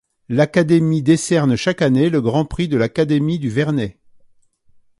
L'académie décerne chaque année le Grand Prix de l'Académie du Vernet.